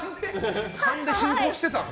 勘で進行してたの？